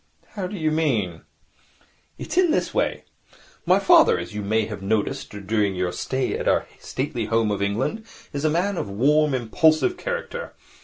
'How do you mean?' 'It is this way. My father, as you may have noticed during your stay at our stately home of England, is a man of a warm, impulsive character.